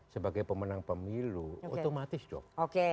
sebagai pemenang pemilu otomatis dong